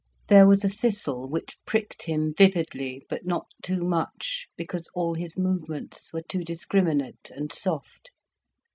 There was a thistle which pricked him vividly, but not too much, because all his movements were too discriminate and soft.